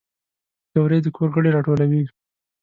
پکورې د کور غړي راټولوي